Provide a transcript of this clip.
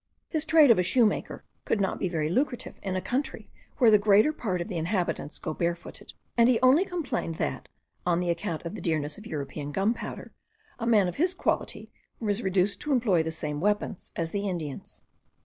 His trade of a shoemaker could not be very lucrative in a country where the greater part of the inhabitants go barefooted; and he only complained that, on account of the dearness of European gunpowder, a man of his quality was reduced to employ the same weapons as the Indians.